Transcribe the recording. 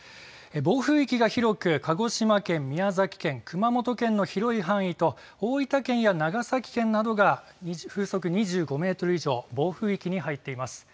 暴風域が広く鹿児島県、宮崎県、熊本県の広い範囲と大分県や長崎県などが風速２５メートル以上、暴風域に入っています。